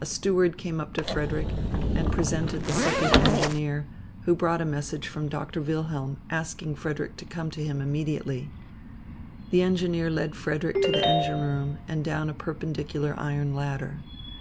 A steward came up to Frederick and presented the second engineer, who brought a message from Doctor Wilhelm asking Frederick to come to him immediately. The engineer led Frederick to the engine room and down a perpendicular iron ladder.